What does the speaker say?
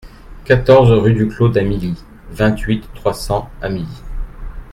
quatorze rue du Clos d'Amilly, vingt-huit, trois cents, Amilly